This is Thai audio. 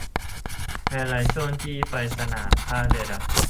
ไฮไลท์ช่วงที่ไฟสนามท่าเรือดับ